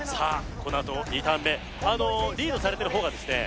このあと２ターン目リードされてるほうがですね